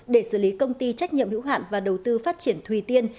để xử lý công ty trách nhiệm hữu hạn và đầu tư phát triển thùy tiên